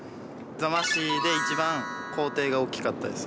座間市で一番校庭が大きかったです。